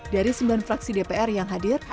dari sembilan fraksi dpr yang hadir